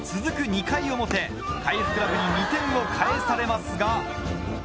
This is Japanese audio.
２回表海部クラブに２点を返されますが。